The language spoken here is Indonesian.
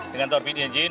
dengan turbin engine